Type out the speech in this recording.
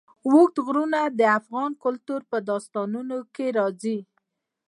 اوږده غرونه د افغان کلتور په داستانونو کې راځي.